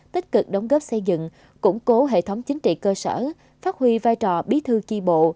tích cực đóng góp xây dựng củng cố hệ thống chính trị cơ sở phát huy vai trò bí thư chi bộ